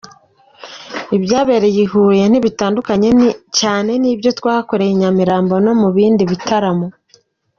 Ibyabaye i Huye ntibitandukanye cyane n’ibyo twakoreye i Nyamirambo, no mu bindi bitaramo.